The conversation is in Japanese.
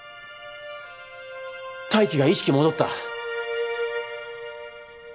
泰生が意識戻った。